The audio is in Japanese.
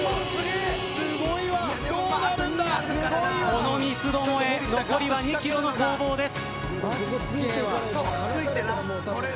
この三つどもえ残りは２ｋｍの攻防です。